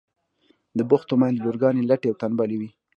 د بوختو میندو لورگانې لټې او تنبلې وي.